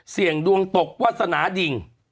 เสี่ยงดวงตกวาสนาดิ่ง